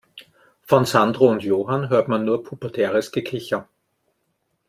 Von Sandro und Johann hörte man nur pubertäres Gekicher.